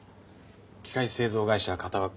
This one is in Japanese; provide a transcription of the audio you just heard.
機械製造会社型枠工場